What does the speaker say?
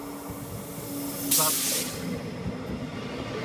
ست۔